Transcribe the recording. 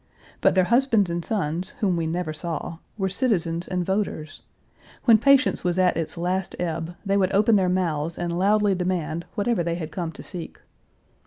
But their husbands and sons, whom we never saw, were citizens and voters! When patience was at its last ebb, they would open their mouths and loudly demand whatever they had come to seek.